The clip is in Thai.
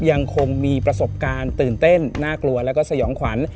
ยังคงมีประสบการณ์ตื่นเต้นน่ากลัวแล้วก็สยองขวัญ